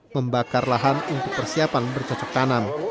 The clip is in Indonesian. membakar lahan untuk persiapan bercocok tanam